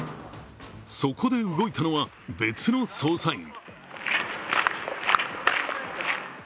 そこで、動いたのは別の捜査員。